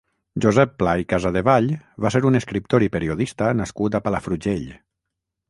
Josep Pla i Casadevall va ser un escriptor i periodista nascut a Palafrugell.